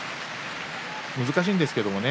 難しいんですけどもね